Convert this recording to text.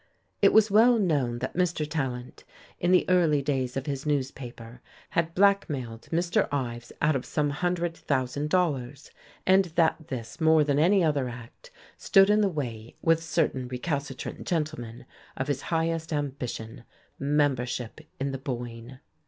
It was well known that Mr. Tallant, in the early days of his newspaper, had blackmailed Mr. Ives out of some hundred thousand dollars. And that this, more than any other act, stood in the way, with certain recalcitrant gentlemen, of his highest ambition, membership in the Boyne.